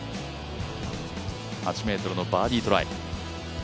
８ｍのバーディートライ。